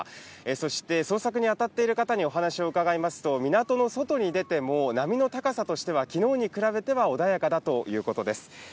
そして捜索にあたっている方に話を伺いますと、港の外に出ても波の高さとしては昨日に比べては穏やかだということです。